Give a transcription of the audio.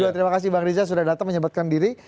terima kasih bang riza sudah datang menyebutkan diri